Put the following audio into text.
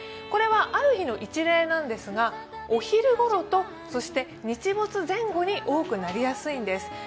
これはある日の一例なんですが、お昼頃とそして日没前後に多くなりやすいんです。